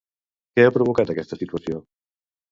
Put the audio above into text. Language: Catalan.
Què ha provocat aquesta situació?